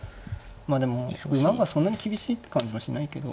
まあでも馬がそんなに厳しいって感じはしないけど。